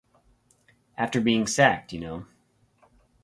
After being sacked, you know.